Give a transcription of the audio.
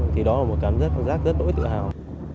thì đó là một cảm giác rất tối tự hào